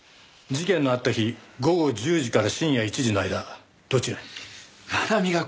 事件のあった日午後１０時から深夜１時の間どちらに？